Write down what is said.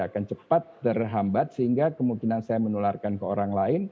akan cepat terhambat sehingga kemungkinan saya menularkan ke orang lain